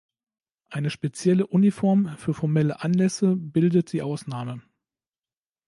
Eine spezielle Uniform für formelle Anlässe bildet die Ausnahme.